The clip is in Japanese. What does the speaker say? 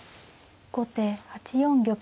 後手８四玉。